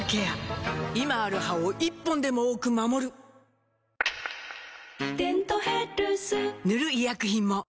今ある歯を１本でも多く守る「デントヘルス」塗る医薬品も